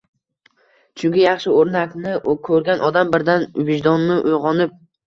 Chunki yaxshi o‘rnakni ko‘rgan odam birdan vijdoni uyg‘onib